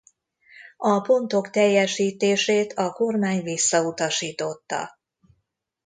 A pontok teljesítését a kormány visszautasította.